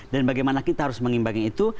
dan bagaimana kita harus mengimbangi itu